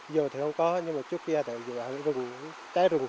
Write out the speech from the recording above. giờ thì không có nhưng mà trước kia thì rừng trái rừng